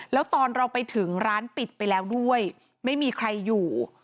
แล้วตอนเราไปถึงร้านปิดไปแล้วด้วยไม่มีใครอยู่